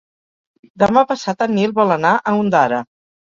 Demà passat en Nil vol anar a Ondara.